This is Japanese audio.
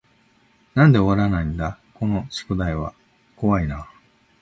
なんで終わらないだこの宿題は怖い y な